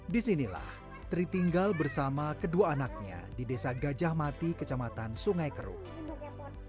di sini tri tinggal bersama kedua anaknya di desa gajah mati kecamatan sungai keruk